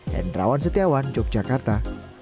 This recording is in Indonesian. hendrawan setiawan yogyakarta